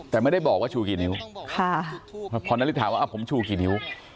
แต่ไม่ได้บอกว่าชูกี่นิ้วพอนาริสถามว่าผมชูกี่นิ้ว